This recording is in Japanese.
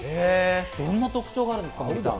どんな特徴があるんですか？